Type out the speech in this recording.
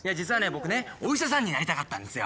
僕ね、お医者さんになりたかったんですよ。